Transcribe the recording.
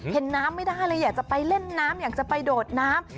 เห็นน้ำไม่ได้เลยอยากจะไปเล่นน้ำอยากจะไปโดดน้ำ